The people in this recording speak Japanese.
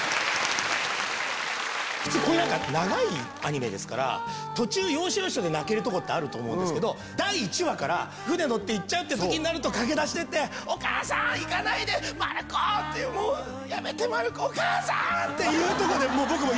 普通こういう何か長いアニメですから途中要所要所で泣けるとこってあると思うんですけど第１話から船乗って行っちゃうって時になると駆け出してって「お母さん行かないで！」「マルコ！」ってもう「やめてマルコ」「お母さん！」っていうとこでもう僕も。